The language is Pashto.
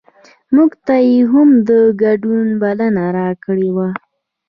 مونږ ته یې هم د ګډون بلنه راکړې وه.